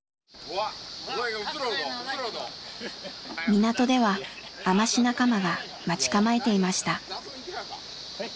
港では海士仲間が待ち構えていました。